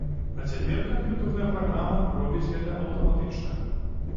А цяпер камп'ютарная праграма робіць гэта аўтаматычна.